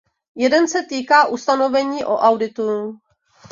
Jeden se týká ustanovení o auditu.